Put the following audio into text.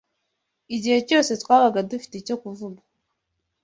Igihe cyose twabaga dufite icyo kuvuga